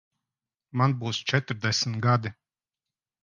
Man būs četrdesmit gadi.